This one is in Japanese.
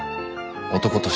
男として。